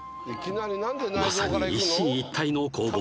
まさに一進一退の攻防